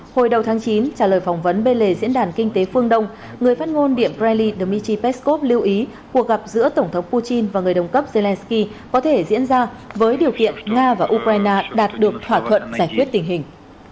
hồi đầu tháng chín trả lời phỏng vấn bên lề diễn đàn kinh tế phương đông người phát ngôn điện kremlin d dmitry peskov lưu ý cuộc gặp giữa tổng thống putin và người đồng cấp zelensky có thể diễn ra với điều kiện nga và ukraine đạt được thỏa thuận giải quyết tình hình